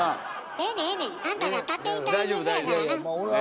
ええねんええねんあんたが立て板に水やからな。